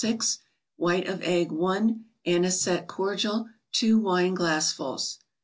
6; White of egg, i ; Anisette cordial, 2 wine glassfuls.